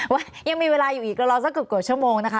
ว่ายังมีเวลาอยู่อีกรอสักเกือบชั่วโมงนะคะ